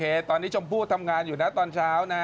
เอาโน้ทจา